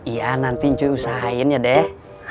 iya nanti inci usahain ya deh